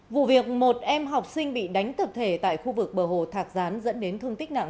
vụ việc một em học sinh bị đánh tập thể tại khu vực bờ hồ thạc rán dẫn đến thương tích nặng